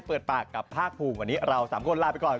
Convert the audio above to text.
เปิดปากกับภาคภูมิวันนี้เรา๓คนลาไปก่อน